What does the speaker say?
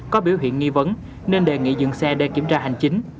có biểu hiện nghi vấn nên đề nghị dừng xe để kiểm tra hành chính